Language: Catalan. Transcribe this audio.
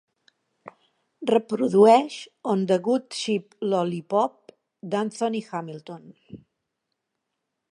Reprodueix on the good ship lollipop d'Anthony Hamilton